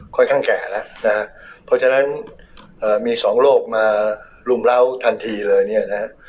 แก่แล้วนะฮะเพราะฉะนั้นเอ่อมีสองโรคมารุมเล้าทันทีเลยเนี่ยนะฮะ